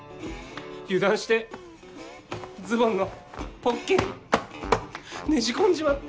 油断してズボンのポッケにねじ込んじまって。